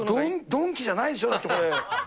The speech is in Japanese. ドンキじゃないでしょ、これ。